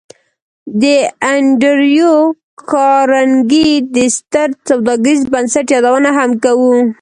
د انډریو کارنګي د ستر سوداګریز بنسټ یادونه هم کوو